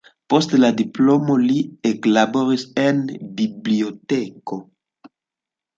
Post la diplomo li eklaboris en biblioteko.